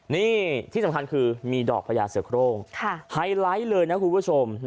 นี่ที่สำคัญคือมีดอกพญาเสือโครงไฮไลท์เลยนะคุณผู้ชม